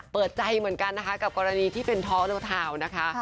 เปิดใจเหมือนกันนะคะกับกรณีที่เป็นท้อเลทาวน์นะคะ